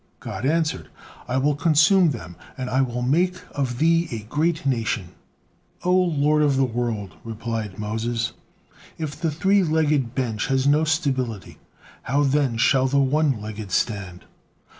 God answered: "I will consume them, and I will make of thee a great nation." "O Lord of the world!" replied Moses, "If the three legged bench has no stability, how then shall the one legged stand?